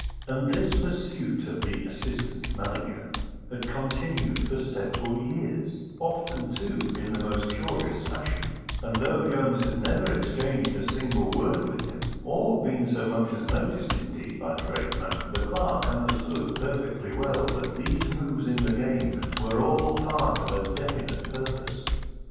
And this pursuit of the Assistant Manager had continued for several years, often, too, in the most curious fashion; and though Jones had never exchanged a single word with him, or been so much as noticed indeed by the great man, the clerk understood perfectly well that these moves in the game were all part of a definite purpose.